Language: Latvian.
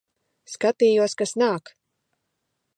Skatījos, kas nāk.